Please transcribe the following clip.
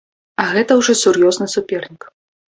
А гэта ўжо сур'ёзны супернік.